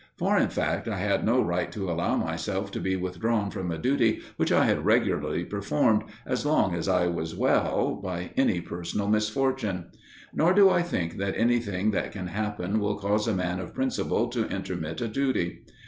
For in fact I had no right to allow myself to be withdrawn from a duty which I had regularly performed, as long as I was well, by any personal misfortune; nor do I think that anything that can happen will cause a man of principle to intermit a duty.